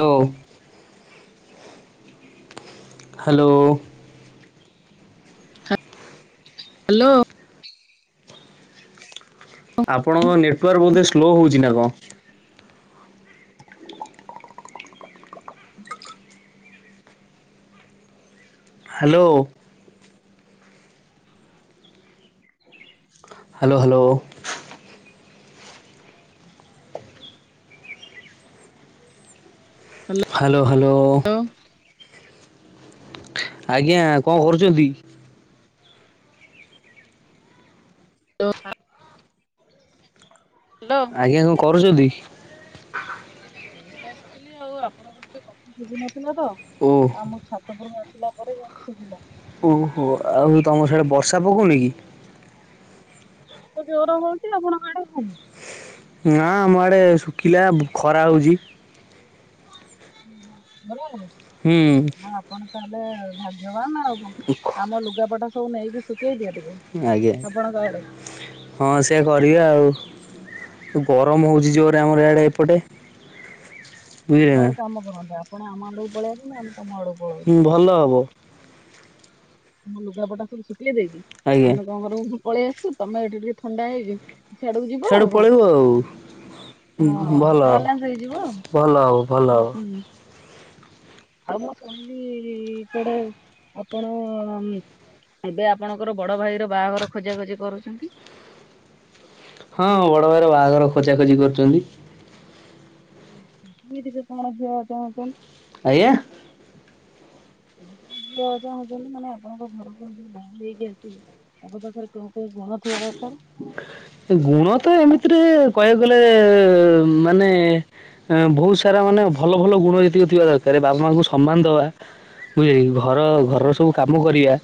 Hello. Hello. Hello. ଆପଣଙ୍କ network ବୋଧେ slow ହେଉଛି ନା କଣ। Hello. Hello hello. Hello hello. ଅଁ। ଆଜ୍ଞା କଣ କରୁଛନ୍ତି? [unintelligible] ହାଲୋ। ଆଜ୍ଞା କଣ କରୁଛନ୍ତି? ଏଇ ବସିଥିଲି ଆଉ ଆପଣଙ୍କର ଟିକେ ଓ [unintelligible] ଛାତ ଉପରକୁ ଆସିଲା ପରେ ଶୁଭିଲା। ଓହୋ ଆଉ ତମ ସିଆଡେ ବର୍ଷା ପକଉନି କି? [unintelligible] ନା ଆମ ଆଡ଼େ ଶୁଖିଲା ଖରା ହଉଚି। ଘରେ ହଉଛି ହୁଁ ଆଉ ଆପଣ ତାହେଲେ ଭାଗ୍ୟବାନ ଆଉ କଣ। [unintelligible] [unintelligible] ଆମ ଲୁଗାପଟା ସବୁ ନେଇକି ଶୁଖେଇ ଦିଏ ଟିକେ। ଆଜ୍ଞା ଆପଣଙ୍କ ଆଡେ ହଁ ସେଇଆ କରିବା ଆଉ। ଗରମ ହଉଚି ଜୋରେ ଆମର ଆଡ଼େ ଏପଟେ। ଆପଣ ବୁଝିଲେ ନା। ଗୋଟେ କାମ କରନ୍ତୁ ଆପଣ ଆମ ଆଡ଼କୁ ପଳେଇ ଆସନ୍ତୁ ଆମେ ତମ ଆଡ଼କୁ ପଳଉଛୁ। ହୁଁ ଭଲ ହବ। ତମ ଲୁଗାପଟା ସବୁ ଶୁଖେଇ ଦେଇକି ଆଜ୍ଞା। ଆମେ କଣ କରିବୁ ପଳେଇ ଆସିବୁ ତମେ ଏଠି ଟିକେ ଥଣ୍ଡା ହେଇକି ସିଆଡକୁ ଯିବ ସିଆଡୁ ଆଉ କଣ ପଳେଇବୁ ଆଉ ହଁ ଭଲ ବାଲାନ୍ସ ହେଇଯିବ ଆଉ ଭଲ ହବ ଭଲ ହବ। ହୁଁ। ଆଉ ମୁଁ ଶୁଣିଲି କୁଆଡ଼େ ଆପଣ ଏବେ ଆପଣଙ୍କର ବଡ଼ ଭାଇ ର ବାହାଘର ଖୋଜାଖୋଜି କରୁଛନ୍ତି? ହଁ ବଡ଼ ଭାଇର ବାହାଘର ଖୋଜା ଖୋଜି କରୁଛନ୍ତି। କେମିତିକା ଆପଣ ଝିଅ ଚାହୁଁଛନ୍ତି? ଆଜ୍ଞା? ଝିଅ ଚାହୁଁଛନ୍ତି ମାନେ ଆପଣଙ୍କ ଘରକୁ ଯିଏ ବୋହୂ ହେଇକି ଆସିବେ ତାଙ୍କ ପାଖରେ କୋଉ କୋଉ ଗୁଣ ଥିବା ଦରକାର। ଗୁଣ ତ ଏମିତିରେ କହିବାକୁ ଗଲେ ମାନେ ବହୁତ ସାରା ମାନେ ଭଲ ଭଲ ଗୁଣ ଯେତିକି ଥିବା ଦରକାରେ ବାବା ମାଙ୍କୁ ସମ୍ମାନ ଦବା ବୁଝିଲେ କି ଘର ହୁଁ ଘରର ସବୁ କାମ କରିବା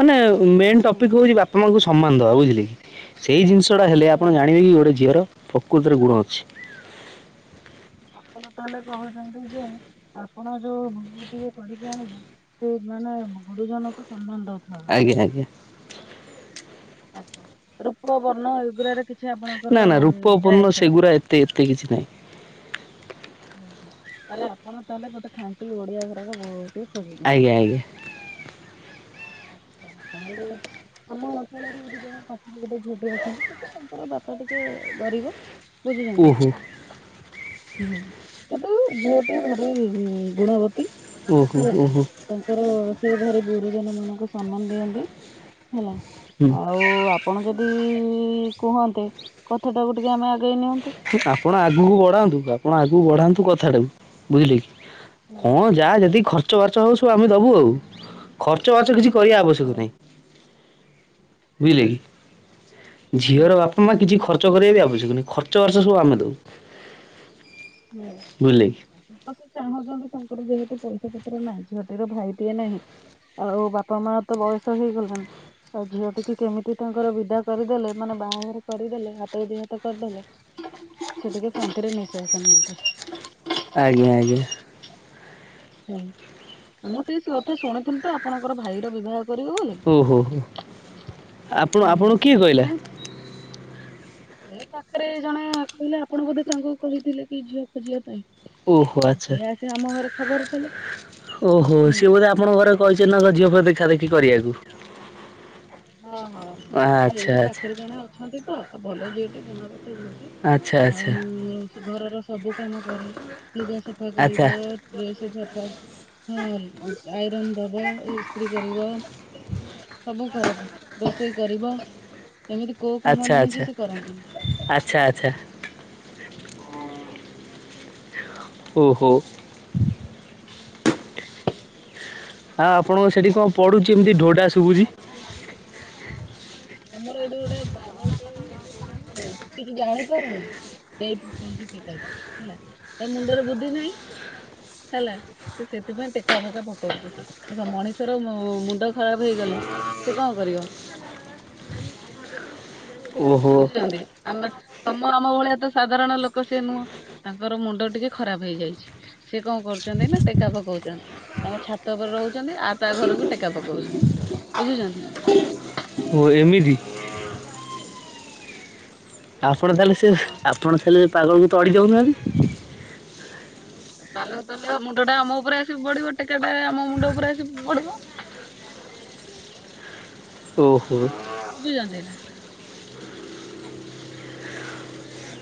ମାନେ ମେନ୍ ହୁଁ ଟପିକ ହଉଛି ବାପା ବାପାମାଆ ଙ୍କୁ ସମ୍ମାନ ଦେବା ବୁଝିଲେ କି ସେଇ ଜିନିଷଟା ହେଲେ ଆପଣ ହୁଁ। ଜାଣିବେ କି ଗୋଟେ ଝିଅର ପ୍ରକୃତରେ ଗୁଣ ଅଛି। ଆପଣ ତାହେଲେ କହୁଛନ୍ତି ଯେ ଆପଣ ଯୋଉ ବୋହୂ ଟିଏ କରିକି ଆଣିବେ ସେ ମାନେ ଗୁରୁଜନଙ୍କୁ ସମ୍ମାନ ଦଉ ଆଜ୍ଞା ଆଜ୍ଞା। ଆଚ୍ଛା ରୂପ, ବର୍ଣ୍ଣ ଏଗୁଡ଼ା ରେ କିଛି ଆପଣଙ୍କର ନା ନା ଯାଏ ରୂପପୂର୍ଣ୍ଣ ଆସେ ନାହିଁ ସେଗୁରା ଏତେ ଏତେ କିଛି ନାହିଁ। ଆଚ୍ଛା ତାହେଲେ ଆପଣ ତାହେଲେ ଗୋଟେ ଖାଣ୍ଟି ଓଡ଼ିଆ ଘରର ବୋହୂ ଟିଏ ଖୋଜୁଛନ୍ତି। ଆଜ୍ଞା ଆଜ୍ଞା। [inaudible] [unintelligible] ଆମ ଅଞ୍ଚଳରେ ଏଠି ଜଣେ ପାଖ ଗୋଟେ ଝିଅଟି ଅଛନ୍ତି ସବୁ ତାଙ୍କର ବାପା ଟିକେ ଗରିବ। ବୁଝୁଛନ୍ତି ଓହୋ ହୁଁ। ଏଟୁ ଝିଅଟି ଭାରି ଗୁଣବତୀ ଓହୋ ହେଲା। ଓହୋ। ତାଙ୍କର ସିଏ ଭାର ଗୁରୁଜନ ମାନଙ୍କୁ ସମ୍ମାନ ଦିଅନ୍ତି ହେଲା ହୁଁ। ଆଉ ଆପଣ ଯଦି କୁହନ୍ତେ କଥାଟାକୁ ଟିକେ ଆମେ ଆଗେଇ ନିଅନ୍ତୁ ଆପଣ ଆଗକୁ ବଢାନ୍ତୁ ଆପଣ ଆଗକୁ ବଢାନ୍ତୁ କଥାଟାକୁ ବୁଝିଲେ କି? ହୁଁ କଣ ଯାହା ହୁଁ ଯଦି ଖର୍ଚ୍ଚ ବାର୍ଚ୍ଚ ହଉ ସବୁ ଆମେ ଦବୁ ଆଉ ଖର୍ଚ୍ଚ ଫାର୍ଚ୍ଚ କିଛି କରିବା ଆବଶ୍ୟକ ହୁଁ ନାହିଁ। ବୁଝିଲେ କି ହୁଁ ଝିଅର ବାପା ମା କିଛି ଖର୍ଚ୍ଚ କରିବା ବି ଆବଶ୍ୟକ ନାହିଁ ଖର୍ଚ୍ଚ ଖର୍ଚ୍ଚ ବାର୍ଚ୍ଚ ସବୁ ଆମେ ଦବୁ। ହୁଁ। ବୁଝିଲେ କି? ତ ସେ ଚାହୁଁଛନ୍ତି ତାଙ୍କର ଯେହେତୁ ପଇସା ପତ୍ର ନାହିଁ ଝିଅଟିର ଭାଇଟିଏ ନାହିଁ ଆଉ ବାପା ମା ତ ବୟସ ହେଇଗଲାଣି। ଆଉ ଝିଅ ଟିକି କେମିତି ତାଙ୍କର ବିଦା କରିଦେଲେ ମାନେ ବାହାଘର କରିଦେଲେ ହାତକୁ ଦି ହାତ କରିଦେଲେ। [inaudible] ସେ ଟିକେ ଶାନ୍ତିରେ ନିଃଶ୍ୱାସ ନିଅନ୍ତେ। ଆଜ୍ଞା, ଆଜ୍ଞା। ହଁ ମୁଁ ସେଇ କଥା ଶୁଣିଥିଲି ତ ଆପଣଙ୍କର ଭାଇର ବିବାହ କରିବ ବୋଲି। ଓହୋ ହୋ ଆପଣ ହୁଁ ଆପଣଙ୍କୁ କିଏ କହିଲା? ସେଥିପାଇଁ ଏ ପାଖରେ ଜଣେ କହିଲେ ଆପଣ ବୋଧେ ତାଙ୍କୁ କହିଥିଲେ କି ଝିଅ ଖୋଜିବା ପାଇଁ। ଓହୋ ଆଚ୍ଛା। ସିଏ ଆସି ଆମ ଘରେ ଖବର ଦେଲେ। ହୁଁ ଆପଣ ଘରେ କହିଛନ୍ତି ନା ଝିଅ ଫିହ ଦେଖା ଦେଖି କରିବାକୁ? ହଁ, ହଁ ଆଉ ଆଚ୍ଛା ଏଇଠି ଆଚ୍ଛା। ପାଖରେ ଜଣେ ଅଛନ୍ତି ତ ଆ, ଭଲ ଝିଅଟିି ଗୁଣାବତା ଝିଅ। ଆଚ୍ଛା, ଆଚ୍ଛା। ସେ ଘରର ସବୁ କାମ କରେ। ଲୁଗା ସଫା ଆଚ୍ଛା କରିବ ଡ୍ରେସ୍ ସଫା ହଁ ଆଇରନ୍ ଦବ ଇସ୍ତ୍ରୀ କରିବ। କରକ ରୋଷେଇ କରିବ ଏମିତି କୋଉ କାମ ଆଚ୍ଛା, ନାହିଁ ଯେ ଆଚ୍ଛା, ସେ କରନ୍ତିନି। ଆଚ୍ଛା, ଆଚ୍ଛା। ଓ ହୋ। ଆ, ଆପଣଙ୍କ ସେଠି କଣ ପଡୁଚି ଏମିତି ଢୋ ଢା ଶୁଭୁଚି? ଆମର ଏଇଠି ଗୋଟେ ପାଗଳ ଟେ ଯୋଉ ନୁହେଁ କିଛି ଜାଣି ପାରୁନି। ସେଇ ପକଉଚି ଟେକାଟି ହେଲା ତା ମୁଣ୍ଡରେ ବୁଦ୍ଧି ନାହିଁ ହେଲା। ସେ ସେଥିପାଇଁ ଟେକା ଫେକା ପକଉଚି। ଦେଖ ମଣିଷର ମୁ ମୁଣ୍ଡ ଖରାପ ହେଇଗଲେ ସେ କଣ କରିବ? ଓହୋ ବୁଝୁଚନ୍ତି। ଆମ ତୋମ ଆମ ଭଳିଆ ତ ସାଧାରଣ ଲୋକ ସେ ନୁହଁ। ତାଙ୍କର ମୁଣ୍ଡ ଟିକେ ଖରାପ ହେଇଯାଇଛି। ସିଏ କଣ କରୁଚନ୍ତି ନା ଟେକା ପକଉଚନ୍ତି। ତାଙ୍କ ଛାତ ଉପରେ ରହୁଚନ୍ତି ଆ ତା ଘରକୁ ଟେକା ପକଉଛନ୍ତି, ବୁଝୁଛନ୍ତି। ତ ଏମିତି। ଆପଣ ତାହେଲେ ସେ ହଁ ଆପଣ ତାଲେ ପାଗଳକୁ ତଡି ଦଢଉନାହାନ୍ତି। [unintelligible] ମୁଣ୍ଡ ଟା ଆମ ଉପରେ ଆସି ପଡିବ ଟେକା ଟା ଆମ ମୁଣ୍ଡ ଉପରେ ଆସି ପଡିବ। ଓହୋ। ବୁଝୁଚନ୍ତି ନା।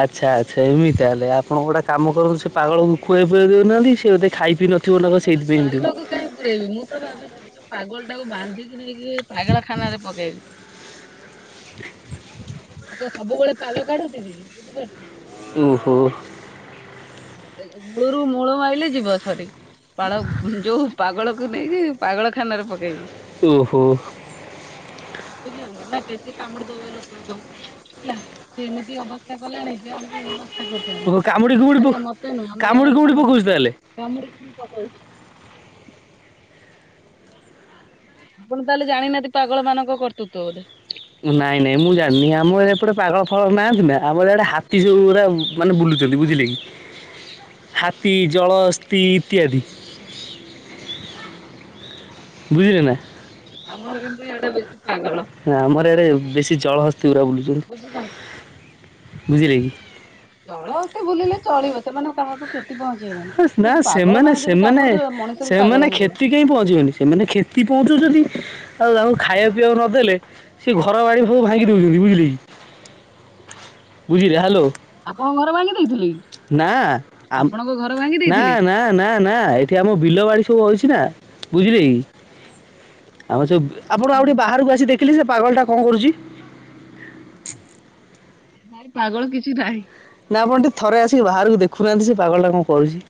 ଆଚ୍ଛା, ଆଚ୍ଛା ଏମିତି ତାହେଲେ ଆପଣ ଗୋଟେ କାମ କରନ୍ତୁ ସେ ପାଗଳକୁ ଖୁଆଇ ପୁଆଇ ଦେଉନାହାନ୍ତି ସେ ବୋଧେ ଖାଇ ପି ନ [unintelligible] ସେଇଥିପାଇଁ ଏମିତି ପାଲକୁ କାହିଁ ପୁରଇବି ମୁଁ ତ ଭାବିଛି ସେ ଯୋଉ ପାଗଳ ଟାକୁ ବାନ୍ଧିକି ନେଇକି ପାଗଳ ଖାନାରେ ପକେଇବି। ଆଉ ତ ସବୁବେଳେ ପାଲ କାଢୁଥିବି ବୁଝିପାରୁଛନ୍ତି। ଓହୋ। ହଁ ସେଇ ମୂଳରୁ ମୂଳ ମାଇଲେ ଯିବ ସରି। ପାଳ ହୁଁ, ଯୋଉ ପାଗଳ କୁ ନେଇକି ପାଗଳ ଖାନାରେ ପକେଇବି। ଓହୋ। ବୁଝୁଚନ୍ତି ନା କି ସିଏ କାମୁଡି ଦବ ଲୋକ ହବ ହେଲା ସିଏ ଏମିତି ଅବସ୍ଥା କଲାଣି ସିଏ ଆମକୁ ହୀନସ୍ତା ଓହୋ କରିସାଇଲାଣି। କାମୁଡ଼ି କୁମୁଡ଼ି ପ କାମୁଡ଼ି କୁମୁଡ଼ି ପକଉଚି ତାହେଲେ। କାମୁଡି କୁମୁଡି ପକଉଛି। ଆପଣ ତାହେଲେ ଜାଣିନାହାନ୍ତି ପାଗଳ ମାନଙ୍କ କର୍ତ୍ତୃତ୍ୱ ବୋଧେ। ନାଇଁ ନାଇଁ ମୁଁ ଜାଣିନି ଆମ ଏ ଏପଟେ ପାଗଳ ଫାଗଳ ନାହାନ୍ତି ନା। ଆମର ଆଡେ ହାତୀ ସବୁ ଗୁରା ମାନେ ବୁଲୁଚନ୍ତି ବୁଝିଲେ କି। ହାତୀ ଜଳହସ୍ତି ଇତ୍ୟାଦି। ହ ବୁଝିଲେ ନା। ଆମର କିନ୍ତୋ ଇଆଡେ ବେସି ପାଗଳ। ଆମର ଏଡ଼େ ବେଶୀ ଜଳହସ୍ତି ଉରା ବୁଝୁଛନ୍ତି। ବୁଲୁଛନ୍ତି ବୁଝିଲେ କି? ଜଳହସ୍ତି ବୁଲିଲେ ଚଳିବ ସେମାନେ କାହାକୁ କ୍ଷ ଚି ପହଞ୍ଚେଇବେନି ହସ୍ ନା କିନ୍ତୁ ପାଗଳ ସେମାନେ ମାନେ ଯଦି କାମୁଡି଼ ଦେବେ ମଣିଷ ବି ପାଗଳ ହେଇଯିବ। କେହି ପହଞ୍ଚିବେନି ସେମାନେ କ୍ଷତି ପହଞ୍ଚଉଛନ୍ତି ଆଉ ତାଙ୍କୁ ଖାଇବା ପିଇବାକୁ ନଦେଲେ ସିଏ ଘର ବାଡ଼ି ସବୁ ଭାଙ୍ଗି ଦଉଛନ୍ତି ବୁଝିଲେ କି ବୁଝିଲେ ହାଲୋ। ଆପଣଙ୍କ ଘର ଭାଙ୍ଗି ଦେଇଥିଲେ କି ଆମ ଆପଣଙ୍କ ଘ ନା ନା ନା ନା ଏଠି ଆମ ବିଲ ବାଡ଼ି ସବୁ ଅଛି ନା ବୁଝିଲେ କି? ଆମର ସବୁ ଆପଣ ଆଉ ଟିକେ ବାହାରକୁ ଆସି ଦେଖିଲେ ସେ ପାଗଳ ଟା କଣ କରୁଛି? ଭାଇ ପାଗଳ କିଛି ନାହିଁ। ନା ଆପଣ ଟିକେ ଥରେ ଆସି ବାହାରକୁ ଦେଖୁନାହାନ୍ତି ସେ ପାଗଳ ଟା କଣ କରୁଛି?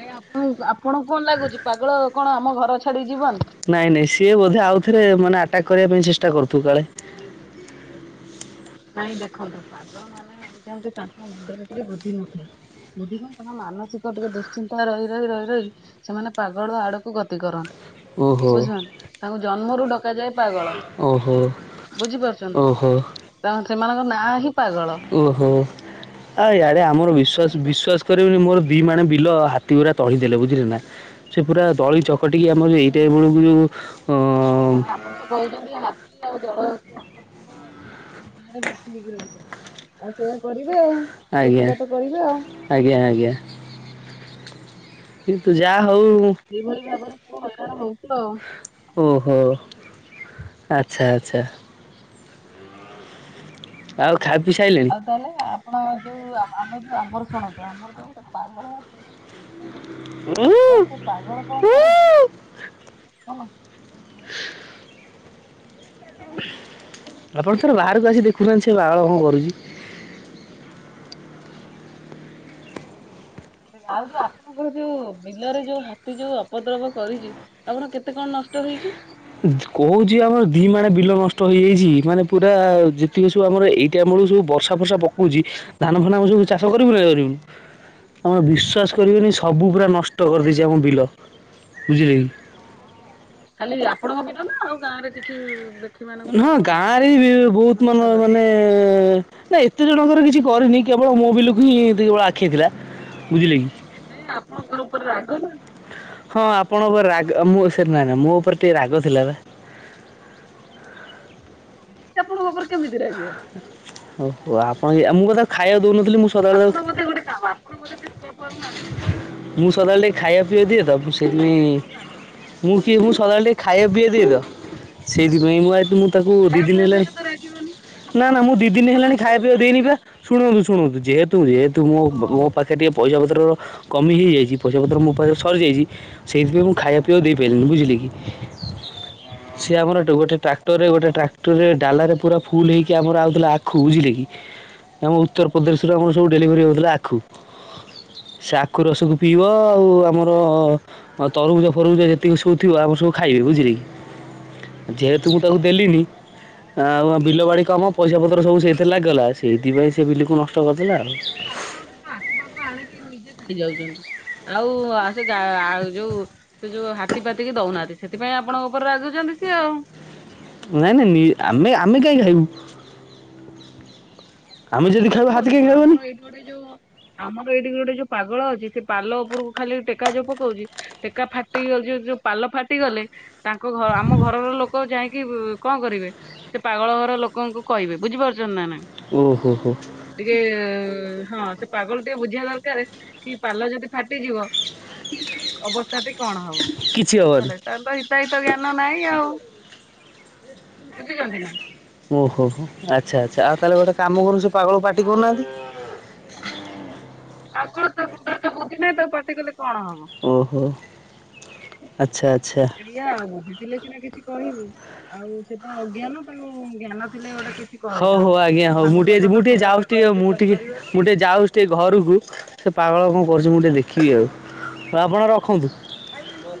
କାଇଁ ଆପଣଙ୍କୁ ଆପଣଙ୍କୁ କଣ ଲାଗୁଛି ପାଗଳ କଣ ଆମ ଘର ଛାଡିି଼କି ଯିବନି? ନାଇଁ ନାଇଁ ସିଏ ବୋଧେ ଆଉ ଥରେ ମାନେ ଆଟାକ୍ କରିବା ପାଇଁ ଚେଷ୍ଟା କରୁଥିବ କାଳେ। ନାଇଁ ଦେଖନ୍ତୁ ପାଗଳ ମାନେ ହୋଉଛନ୍ତି ତାଙ୍କ ମୁଣ୍ଡରେ ଟିକେ ବୃଦ୍ଧି ନଥାଏ। ବୁଦ୍ଧି ନାହିଁ ତାଙ୍କ ମାନସିକ ଟିକେ ଦୁଶ୍ଚିନ୍ତା ରହି ରହି ରହି ରହି ସେମାନେ ପାଗଳ ଆଡ଼କୁ ଗତି କରନ୍ତି ଓହୋ ବୁଝି ପାଇଲେ ତାଙ୍କୁ ଜନ୍ମରୁ ଡକାଯାଏ ପାଗଳ ଓହୋ ବୁଝିପାରୁଛନ୍ତି ଓହୋ ତ ସେମାନଙ୍କ ନାଁ ହିଁ ପାଗଳ। ଓହୋ ଆଉ ଇଆଡ଼େ ଆମର ବିଶ୍ୱାସ ବିଶ୍ୱାସ ବୁଝିପାରୁଛନ୍ତି। କରି ମୋର ଦି ମଣେ ବିଲ ହାତୀ ପୁରା ତଳି ଦେଲେ ବୁଝିଲେ ନା ସେ ପୁରା ଦଳି ଚ ପଟିକି ଆମର ଏଇଟା ଏ ବେଳକୁ ଯୋଉ ତ ଆପଣ ତ କହୁଛନ୍ତି ହାତୀ ଆଉ ଜଳହସ୍ତି ଆପଣଙ୍କର [inaudible] ରହିଛନ୍ତି ଆଉ ସେଇଆ କରିବେ ଆଉ। ଆଜ୍ଞା ଉତ୍ପାତ କରିବେ ଆଉ। ଆଜ୍ଞା ଆଜ୍ଞା। କିନ୍ତୁ ଯାହା ହୋଉ ଏଇଭଳି ଭାବରେ ସବୁ ହାଇରଣ ହଉଛୁ ଆଉ। ଓହୋ ଆଚ୍ଛା ଆଚ୍ଛା। ଆଉ ଖା ପିଇ ସାଇଲେଣି? ଆଉ ତାହେଲେ ଆପଣ ଯୋଉ ଆ-ଆମ ଯୋଉ ଆମର ଶୁଣନ୍ତୁ ଆମର ଯୋଉ ଗୋଟେ ପାଗଳ ଅଛି [inaudible] ତ ସେ ପାଗଳ କଣ କରେ ନା ହଁ। [inaudible] ଆପଣ ଥରେ ବାହାରକୁ ଆସି ଦେଖୁନାହାନ୍ତି ସେ ବାଗଳ କଣ କରୁଛି? ଆଉ ଯୋଉ ଆପଣଙ୍କର ଯୋଉ ବିଲରେ ଯୋଉ ହାତୀ ଯୋଉ ଅପଦ୍ରବ କରିଛି ଆପଣ କେତେ କଣ ନଷ୍ଟ ହେଇଛି? କହୁଛି ଆମର ଦି ମାଣେ ବିଲ ନଷ୍ଟ ହେଇଯାଇଛି ମାନେ ପୁରା ଯେ ଠି ଏସବୁ ଆମର ଏଇ ଟାଇମ୍ ବେଳକୁ ସବୁ ବର୍ଷା ଫର୍ଷା ପକଉଛି ଧାନ ଫାନ ଆମ ସବୁ ଚାଷ କରିବୁ ନା କରିବୁନୁ? ଆପଣ ବିଶ୍ବାସ୍ କରିବେନି ସବୁ ପୁରା ନଷ୍ଟ କରିଦେଇଛି ଆମ ବିଲ ବୁଝିଲେ କି? ଖାଲି ଆପଣଙ୍କ ବିଲ୍ ନା ଆଉ ଗାଁ ରେ କିଛି ଉ ବେ ଉନ୍ ହ ଗାଁରେ ବି ବୋହୁତ୍ ମନ କରିଛି। ମାନେ ଏ ନା ଏତେ ଜଣଙ୍କର କିଛି କରିନି କେବଳ ମୋ ବିଲକୁ ହିଁ ଦେବଳ ଆଖେଇ ଥିଲା। ବୁଝିଲେ କି? ନାଇଁ ଆପଣଙ୍କର ଉପରେ ରାଗ ନା? ହଁ ଆପଣଙ୍କ ଉପରେ ରାଗ ଅ ମୋ ସେ ନା ନା ମୋ ଉପରେ ଟିକେ ରାଗ ଥିଲା ବା। ସେ ଆପଣଙ୍କ ଉପରେ କେମିତି ରାଗିବ? ଓହୋ ଆପଣ କି ଆ ମୁଁ ବି ତାକୁ ଖାଇବାକୁ ଦୋଉ ନଥିଲି ମୁଁ ସ୍ ଆପଣ ବୋଧେ ଗୋଟେ କାମ ଆପଣ ବୋଧେ ତା ଛୁଆ ଫୁଆକୁ ମାରି ଦେଇଛନ୍ତି। ମୁଁ ସଦାବେଳେ ଟିକେ ଖାଇବା ପିଇବା ଦିଏ ତ ମୁଁ ସେଇଥି ସେଥିପାଇଁ ପଇଁ ତାର ରାଗ। ମୁଁ କିଏ ମୁଁ ସଦାବେଳେ ଟିକେ ଖାଇବା ପିଇବା ଦିଏ ତ ସେଇଥିପାଇଁ ମୁଁ ଆଡୁ ମୁଁ ତାକୁ ଦି ଖାଇବା ଦିନ ପିଇବା ହେଲା ଦେଲେ ତ ରାଗିବନି ନା ଆପଣ ନା ମୁଁ ବୋଧେ ଦି ଦିନି ନିଶ୍ଚିନ୍ତ ତା ହେଲାଣି ଖାଇବା ଛୁଆକୁ ପିଇବାକୁ ଦେଇନି ମାରିଛନ୍ତି। ପା। ଶୁଣନ୍ତୁ ଶୁଣନ୍ତୁ ଯେହେତୁ ଯେହେତୁ ମୋ ବ ମୋ ଓହୋ ପା ଖେ ଟିକେ ପଇସା ପତ୍ର କମି ହେଇଯାଇଛି ପଇସା ପତ୍ର ମୋ ପାଖରେ ସରିଯାଇଛି। ସେଇଥିପାଇଁ ମୁ ଖାଇବା ପିଇବାକୁ ଦେଇପାରିଲିନି ବୁଝିଲେ କି? ସିଏ ଆମର ଏ ଗୋଟେ ଟ୍ରାକ୍ଟର ରେ ଗୋଟେ ଟ୍ରାକ୍ଟର ଡାଲରେ ପୁରା ଫୁଲ ହେଇକି ଆମର ଆଉଥିଲା ଆଖୁ ବୁଝିଲେ କି ଆମ ଉତ୍ତର ପ୍ରଦେଶ ରରେ ଆମର ସବୁ ଡେଲିଭରି ହଉଥିଲା ଆଖୁ। ସେ ଆଖୁ ରସକୁ ପିଇବ। ଆଉ ଆମର ତରୁଭୁଜ ଫରଫୁଜ ଯେତିକି ସବୁ ଥିବ ଆମର ସବୁ ଖାଇବେ ବୁଝିଲେ କି। ଯେହେତୁ ମୁ ତାକୁ ଦେଲିନି ଆଉ ବିଲ ବାଡି କାମ ପଇସା ପତ୍ର ସବୁ ସେଇଥିରେ ଲାଗିଗଲା। ସେଇଥିପାଇଁ ସେ ବିଲ କୁ ନଷ୍ଟ କରିଦେଲା ଆଉ। [inaudible] ନିଜେ ଖାଇଯାଉଛନ୍ତି ଆଉ-ଉ-ଉ ଆ ସେ ଗା ଆଉ ଯୋଉ ସେ ଯୋଉ ହାତୀ ପାତିକି ଦଉନାହାନ୍ତି ସେଥିପାଇଁ ଆପଣଙ୍କ ଉପରେ ରାଗୁଛନ୍ତି ସିଏ ଆଉ। ନାଇଁ ନାଇଁ ନି ଆମେ ଆମେ କାଇହିଁ ଖାଇବୁ। ଆମେ ଯଦି ଆପଣ ଖାଇବୁ ଯୋଉ ହାତୀ ଦେଖ କାଇ ଆମର ଖାଇବନି। ଏଇଠି ଗୋଟେ ଯୋଉ ଆମର ଏଇଠିକି ଗୋଟେ ଯୋଉ ପାଗଳ ଅଛି ସେ ପାଲ ଉପରକୁ ଖାଲି ଟେକା ଯୋଉ ପକଉଛି। ଟେକା ଫାଟି ଗ ଯ ଯୋଉ ପାଲ ଫାଟିଗଲେ ତାଙ୍କ ଘ ଆମ ଘରର ଲୋକ ଯାଇକି-ଇ-ଇ କଣ କରିବେ। ସେ ପାଗଳ ଘର ଲୋକଙ୍କୁ କହିବେ ବୁଝିପାରୁଛନ୍ତି ନା ନାଇ। ଓ ହୋ ହୋ। ଟିକେ-ଏ-ଏ-ଏ ହଁ ସେ ପାଗଲ ଟିକେ ବୁଝିବା ଦରକାରେ କି ପାଲ ଯଦି ଫାଟିଯିବ ଅବସ୍ଥାଟି କଣ ହବ, କିଛି ହବନି ହେଲେ ତା ତ ହିତାହିତ ଜ୍ଞାନ ନାହିଁ ଆଉ, ବୁଝୁଛନ୍ତି ନା। ଓହୋ ହୋ ଆଚ୍ଛା ଆଚ୍ଛା ଆଉ ତାହେଲେ ଗୋଟେ କାମ କରୁ ସେ ପାଗଳକୁ ପାଟି କରୁନାହାନ୍ତି। ଆଗରୁ ତ ହିତାହିତ ବୁଦ୍ଧି ନାହିଁ ତାକୁ ପାଟି କଲେ କଣ ହବ। ଓହୋ, ଆଚ୍ଛା ଆଚ୍ଛା। ଏଇଆ ଆଉ ବୁଦ୍ଧି ଥିଲେ କି ନା କିଛି କହିବୁ, ଆଉ ସେ ତ ଅଜ୍ଞାନ ତାଙ୍କୁ ଜ୍ଞାନ ଥିଲେ ଗୋଟେ କିଛି ହଉ ହଉ ଆଜ୍ଞା କହିଥାନ୍ତା ହଉ ତାଙ୍କ ମୁଁ ଟିକେ ସହିତ ଜି ତ ମୁଁ ଟିକେ ଖରାପ ଯାଉଛି ଟିକେ ବ୍ୟବହାର ବି ମୁଁ ଟିକେ ମୁଁ କରିପାରିବାନି ଟିକେ ଯାଉ ଟିକେ ଘରକୁ ସେ ପାଗଳ କଣ କରୁଛି ମୁଁ ଟିକେ ଦେଖିବି ଆଉ, ଆପଣ ରଖନ୍ତୁ। ହଉ,